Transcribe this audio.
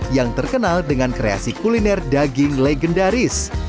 yang terkenal dengan kreasi kuliner daging legendaris